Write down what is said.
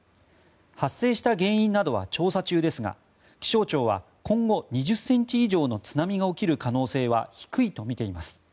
発生した原因などは調査中ですが気象庁は今後２０ｃｍ以上の津波が起きる可能性は低いとみています。